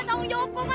harus diayahkan pak